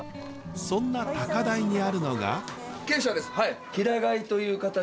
そんな高台にあるのが。